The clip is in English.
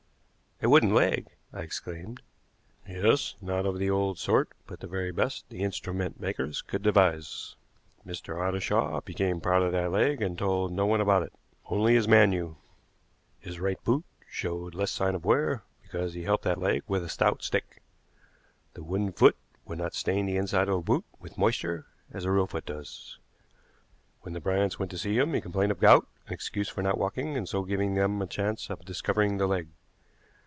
"A wooden leg!" I exclaimed. "Yes, not of the old sort, but the very best the instrument makers could devise. Mr. Ottershaw became proud of that leg and told no one about it. Only his man knew. His right boot showed less sign of wear, because he helped that leg with a stout stick. The wooden foot would not stain the inside of a boot with moisture as a real foot does. When the Bryants went to see him he complained of gout, an excuse for not walking, and so giving them a chance of discovering the leg.